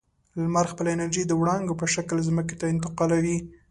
لمر خپله انرژي د وړانګو په شکل ځمکې ته انتقالوي.